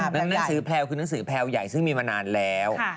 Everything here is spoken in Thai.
หนังสือแพลวคือหนังสือแพลวใหญ่ซึ่งมีมานานแล้ว